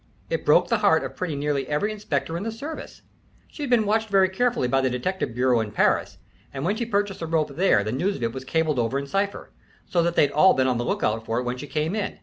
It broke the heart of pretty nearly every inspector in the service. She'd been watched very carefully by the detective bureau in Paris, and when she purchased the rope there, the news of it was cabled over in cipher, so that they'd all be on the lookout for it when she came in.